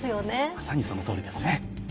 まさにその通りですね。